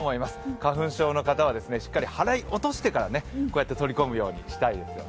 花粉症の方はしっかり払い落としてからこうやって取り込むようにしたいですよね。